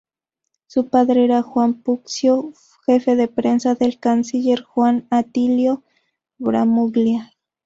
Su padre era Juan Puccio, jefe de prensa del canciller Juan Atilio Bramuglia.